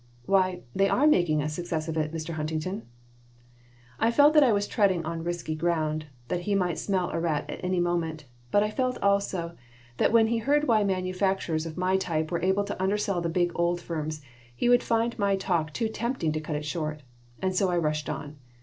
"Why, they are making a success of it, Mr. Huntington." I felt that I was treading on risky gound, that he might smell a rat at any moment; but I felt, also, that when he heard why manufacturers of my type were able to undersell the big old firms he would find my talk too tempting to cut it short. And so I rushed on.